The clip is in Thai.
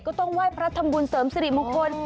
ก็ต้องไหว้พระทำบุญเสริมสิริมงคล